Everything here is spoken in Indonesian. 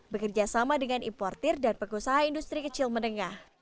bekerja sama dengan importir dan pengusaha industri kecil menengah